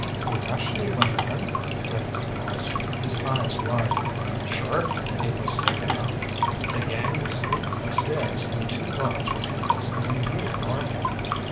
"You actually went in?" Rick asked, his eyes wide. "Sure. It was safe enough. The gang was sleeping upstairs and the two guards were interested in you and Orvil.